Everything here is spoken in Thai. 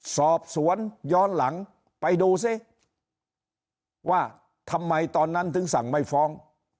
สอบสวนย้อนหลังไปดูซิว่าทำไมตอนนั้นถึงสั่งไม่ฟ้อง